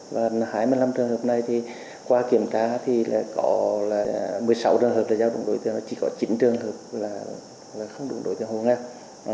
và hai mươi năm trường hợp này qua kiểm tra có một mươi sáu trường hợp là giáo đúng đối chiếu chỉ có chín trường hợp là không đúng đối chiếu không nghèo